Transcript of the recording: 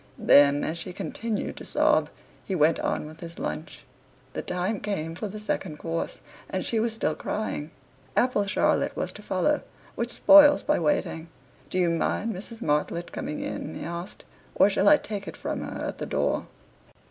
Then, as she continued to sob, he went on with his lunch. The time came for the second course, and she was still crying. Apple Charlotte was to follow, which spoils by waiting. "Do you mind Mrs. Martlett coming in?" he asked, "or shall I take it from her at the door?"